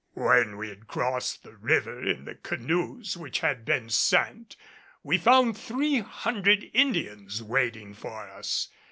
When we had crossed the river in the canoes which had been sent, we found three hundred Indians waiting for us.